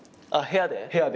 部屋で？